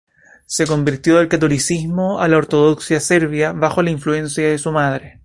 Se convirtió del catolicismo al ortodoxia serbia, bajo la influencia de su madre.